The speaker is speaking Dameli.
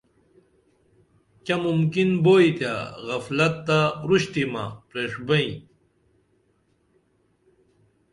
کیہ ممکن بوئی تے غفلت تہ اُورُشتیمہ پریݜبئیں